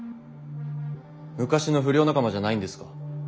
昔の不良仲間じゃないんですか？